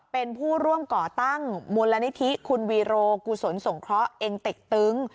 เป็นผู้ร่วมก่อตั้งมูลนิธิคุณวีโรกุศลสงเคราะห์เองเต็กตึ้ง